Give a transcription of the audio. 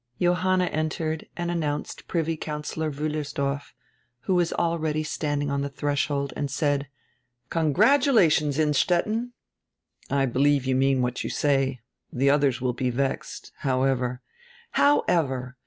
Johanna entered and announced Privy Councillor Wiillersdorf, who was already standing on die threshold and said: "Congratulations, Innstetten." "I believe you mean what you say; the others will be vexed. However —" "However.